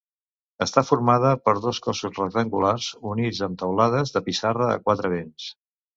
Està formada per dos cossos rectangulars units amb teulades de pissarra a quatre vents.